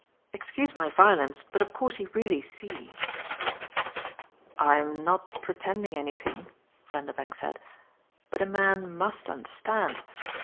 "Excuse my violence, but of course you really see." "I'm not pretending anything," Vanderbank said "but a man MUST understand.